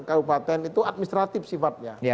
kabupaten itu administratif sifatnya